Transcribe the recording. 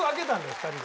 ２人で。